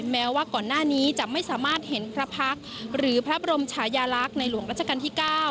แม้ว่าก่อนหน้านี้จะไม่สามารถเห็นพระพักษ์หรือพระบรมชายาลักษณ์ในหลวงรัชกาลที่๙